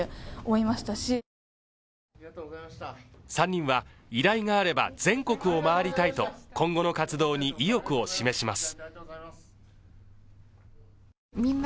３人は依頼があれば全国を回りたいと今後の活動に意欲を示します。